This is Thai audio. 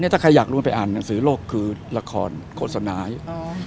ถ้าใครอยากรู้ไปอ่านหนังสือโลกคือละครโฆษณาอยู่